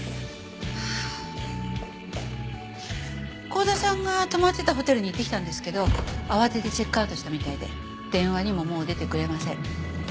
幸田さんが泊まってたホテルに行ってきたんですけど慌ててチェックアウトしたみたいで電話にももう出てくれません。